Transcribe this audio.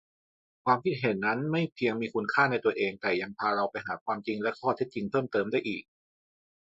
ความคิดเห็นนั้นไม่เพียงมีคุณค่าในตัวเอง แต่ยังพาเราไปหาความจริงและข้อเท็จจริงเพิ่มเติมได้อีก